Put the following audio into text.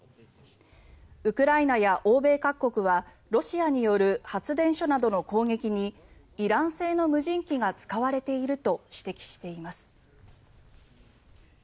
ウクライナや欧米各国はロシアによる発電所などの攻撃にイラン製の無人機が使われていると指摘しています。